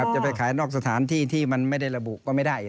จะไปขายนอกสถานที่ที่มันไม่ได้ระบุก็ไม่ได้